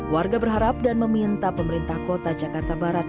warga berharap dan meminta pemerintah kota jakarta barat